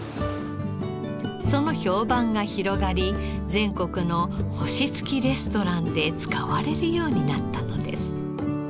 その評判が広がり全国の星付きレストランで使われるようになったのです。